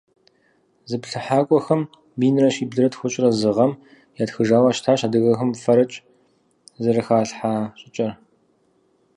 Зыплъыхьакӏуэхэм минрэ щиблэ тхущӏрэ зы гъэм ятхыжауэ щытащ адыгэхэм фэрэкӏ зэрыхалъхьэ щӏыкӏэр.